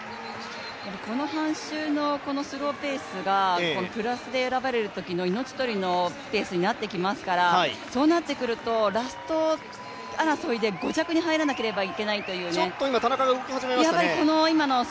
この半周のスローペースがプラスで選ばれるときの命取りのペースになってきますからそうなってくるとラスト争いで５着に入らなければいけないというちょっと今、田中が動き始めましたね。